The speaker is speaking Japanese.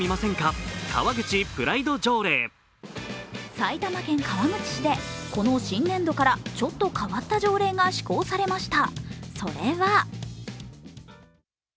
埼玉県川口市で、この新年度からちょっと変わった条例が施行されました。